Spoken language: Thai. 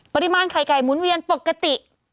ปริมาณไข่ไก่หมุนเวียนปกติ